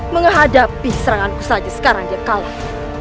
menghadapi seranganku saja sekarang dia kalah